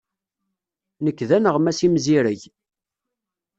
Nekk d aneɣmas imzireg.